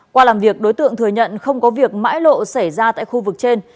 qua làm việc đối tượng thừa nhận không có việc mãi lộ xảy ra tại khu vực trên